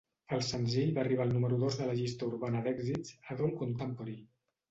El senzill va arribar al número dos de la llista urbana d'èxits Adult Contemporary.